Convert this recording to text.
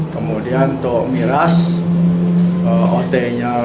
kemudian untuk miras ot nya dua belas